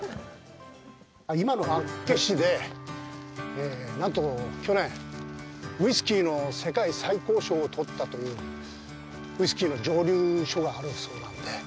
この厚岸で、なんと去年ウイスキーの世界最高賞を取ったというウイスキーの蒸留所があるそうなので。